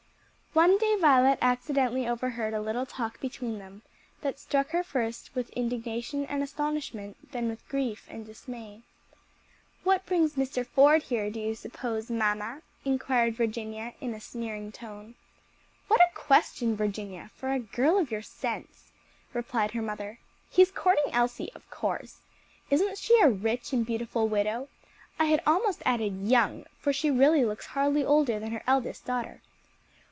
One day Violet accidentally overheard a little talk between them that struck her first with indignation and astonishment, then with grief and dismay. "What brings Mr. Ford here, do you suppose, mamma?" inquired Virginia, in a sneering tone. "What a question, Virginia, for a girl of your sense!" replied her mother, "he's courting Elsie, of course. Isn't she a rich and beautiful widow? I had almost added young, for she really looks hardly older than her eldest daughter."